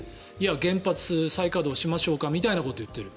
原発、再稼働しましょうかみたいなことを言っている。